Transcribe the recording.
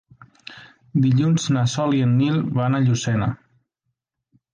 Dilluns na Sol i en Nil van a Llucena.